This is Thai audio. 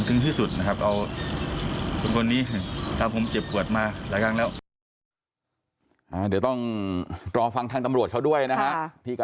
ซึ่งผมก็มองว่าในความปลอดภัยของครอบครัวผมเนี่ย